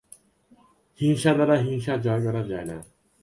হিংসা দ্বারা হিংসা জয় করা যায় না।